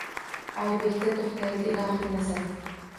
Oybekda to’xtaydi Ilohiy nazar.